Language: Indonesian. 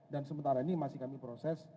dan sementara ini masih kami proses